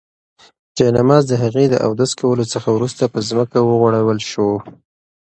جاینماز د هغې د اودس کولو څخه وروسته په ځمکه وغوړول شو.